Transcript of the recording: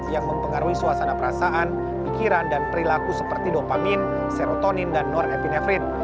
yang mempengaruhi suasana perasaan pikiran dan perilaku seperti dopamin serotonin dan nor epinefrin